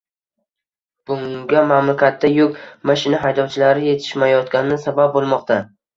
Bunga mamlakatda yuk mashina haydovchilari yetishmayotgani sabab bo‘lmoqda